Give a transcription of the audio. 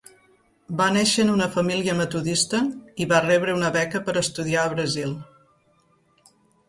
Va néixer en una família metodista, i va rebre una beca per estudiar a Brasil.